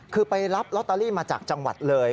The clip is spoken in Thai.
คือไปรับลอตเตอรี่มาจากจังหวัดเลย